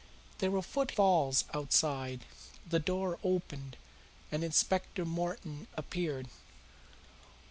There were footfalls outside, the door opened, and Inspector Morton appeared.